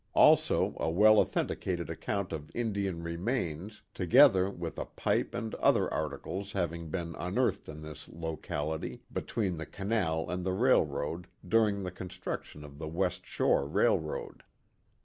Also a well authenti cated account of Indian remains, together with a pipe and other articles having been unearthed in this locality, between the canal and the railroad, during the construction of the West Shore Railroad.